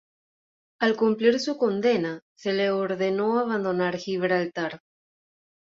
Al cumplir su condena, se le ordenó abandonar Gibraltar.